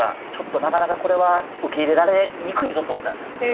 ちょっとなかなかこれは受け入れられにくいぞと思ったんですよ。